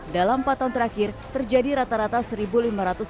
dalam empat tahun terakhir terjadi rata rata satu penyelamatan